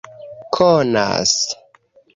konas